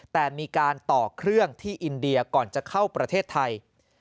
แต่มีการต่อเครื่องที่อินเดียก่อนจะเข้าประเทศไทย